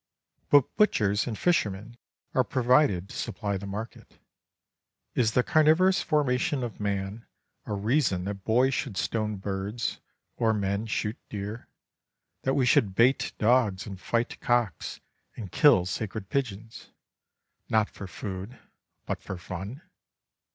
But butchers and fishermen are provided to supply the market. Is the carnivorous formation of man a reason that boys should stone birds or men shoot deer, that we should bait dogs and fight cocks and kill scared pigeons, not for food, but for fun?